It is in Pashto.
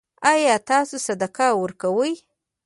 ایا تاسو صدقه ورکوئ؟